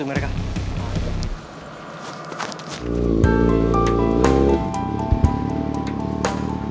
yang banyak pokoknya